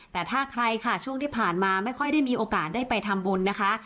แต่ถ้าใครค่ะช่วงที่ผ่านมาไม่ค่อยได้มีโอกาสได้ไปทำบุญนะคะ